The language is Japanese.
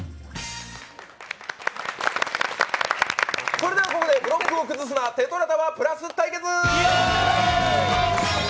それではここでブロックを崩すな「テトラタワープラス」対決！